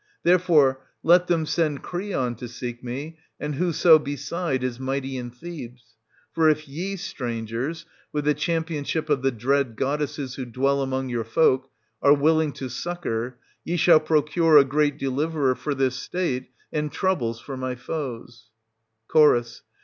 Therefore let them send Creon to seek me, and whoso beside is mighty in Thebes. For if ye, strangers, — with the champipnship of the dread goddesses who dwell among your folk, — are willing to succour, ye shall procure a great deliverer for this State, and troubles for my foes, 460 Ch.